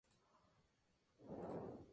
Los cuales indican el paso del husillo.